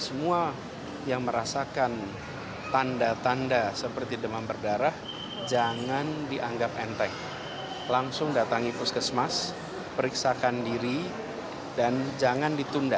pemprov dki juga memastikan biaya pengobatan setiap pasien demam berdarah yang berobat di rsud ditanggung oleh pemprov dki